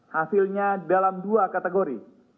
hasilnya dalam dua kategori